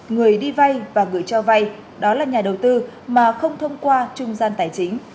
người đi vay và người cho vay đó là nhà đầu tư mà không thông qua trung gian tài chính